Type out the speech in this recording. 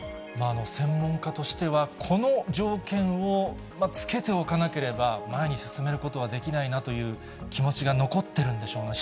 専門家としては、この条件を付けておかなければ、前に進めることはできないなという気持ちが残っているんでしょう